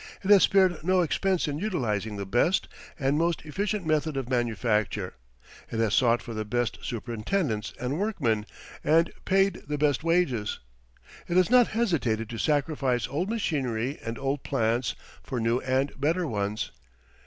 It has spared no expense in utilizing the best and most efficient method of manufacture. It has sought for the best superintendents and workmen and paid the best wages. It has not hesitated to sacrifice old machinery and old plants for new and better ones.